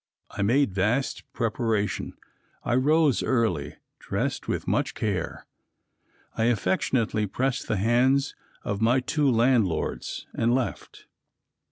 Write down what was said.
I made vast preparation. I rose early, dressed with much care. I affectionately pressed the hands of my two landlords and left.